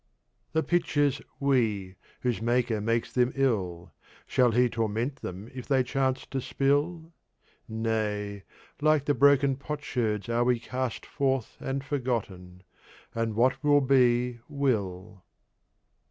The Pitchers we, whose Maker makes them ill, Shall He torment them if they chance to spill? Nay, like the broken potsherds are we cast Forth and forgotten, and what will be will!